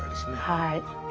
はい。